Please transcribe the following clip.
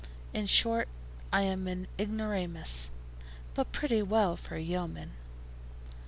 In short, I am an ignoramus, but pretty well for a yeoman.